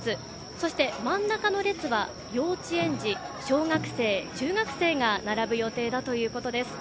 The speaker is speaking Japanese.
そして、真ん中の列は幼稚園児、小学生、中学生が並ぶ予定だということです。